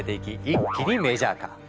一気にメジャー化。